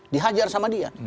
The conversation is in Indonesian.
di hajar sama dia